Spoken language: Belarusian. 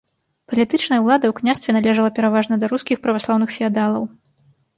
Палітычная ўлада ў княстве належала пераважна да рускіх праваслаўных феадалаў.